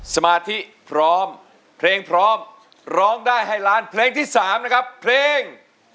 สมาธิพร้อมเพลงพร้อมร้องได้ให้ล้านเพลงที่๓นะครับเพลง